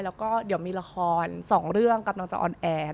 แล้วก็เดี๋ยวมีละครสองเรื่องกำลังจะออนแอร์